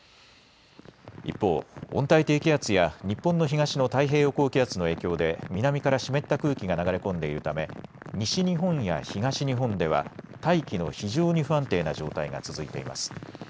一方、温帯低気圧や日本の東の太平洋高気圧の影響で南から湿った空気が流れ込んでいるため西日本や東日本では大気の非常に不安定な状態が続いています。